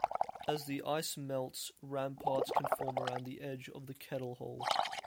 As the ice melts, ramparts can form around the edge of the kettle hole.